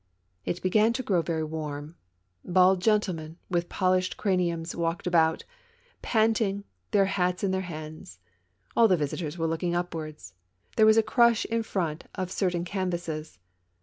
It began to grow veiy warm. Bald gentlemen, with polished craniums, walked about, panting, their hats in their hands. All the visitors were looking upwards. There was a crush in front of certain canvases.